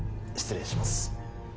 失礼します。